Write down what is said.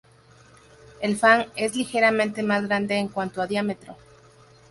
El fan es ligeramente más grande en cuanto a diámetro.